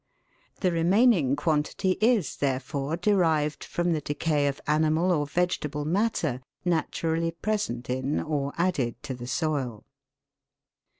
The remaining quantity is, therefore, derived from the decay of animal or vegetable matter naturally present in or added to the soil.